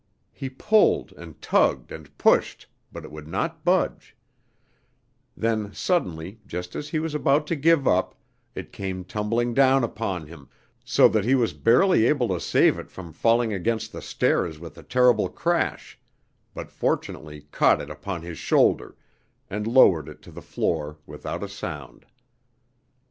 He pulled and tugged and pushed, but it would not budge; then suddenly, just as he was about to give up, it came tumbling down upon him, so that he was barely able to save it from falling against the stairs with a terrible crash, but fortunately caught it upon his shoulder, and lowered it to the floor without a sound.